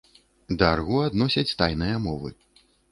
Да арго адносяць тайныя мовы.